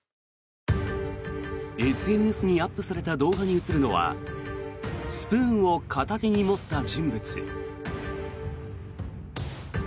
ＳＮＳにアップされた動画に映るのはスプーンを片手に持った人物。